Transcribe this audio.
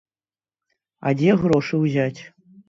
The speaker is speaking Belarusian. А дзе грошы ўзяць?